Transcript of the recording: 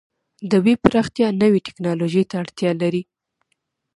د ویب پراختیا نوې ټکنالوژۍ ته اړتیا لري.